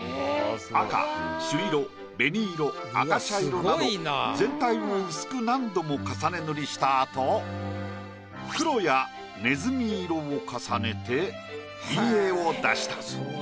赤朱色紅色赤茶色など全体を薄く何度も重ね塗りしたあと黒やねずみ色を重ねて陰影を出した。